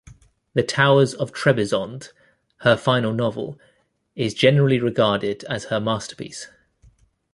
"The Towers of Trebizond", her final novel, is generally regarded as her masterpiece.